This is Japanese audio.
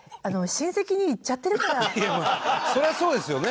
そりゃそうですよね。